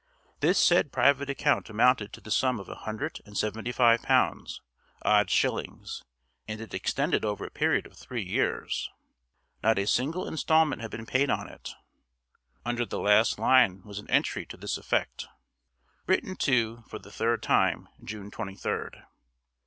This said private account amounted to the sum of a hundred and seventy five pounds, odd shillings, and it extended over a period of three years. Not a single installment had been paid on it. Under the last line was an entry to this effect: "Written to for the third time, June 23d."